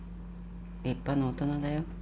立派な大人だよ。